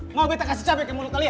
mau bete kasih cabai ke mulut kalian